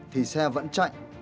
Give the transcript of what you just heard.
thì xe vẫn chạy